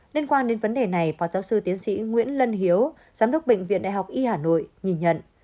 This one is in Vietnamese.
liên quan đến vấn đề này phó giáo sư tiến sĩ nguyễn lân hiếu giám đốc bệnh viện đại học y hà nội nhìn nhận